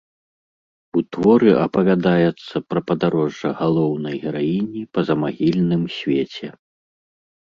У творы апавядаецца пра падарожжа галоўнай гераіні па замагільным свеце.